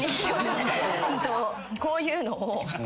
こういうのを。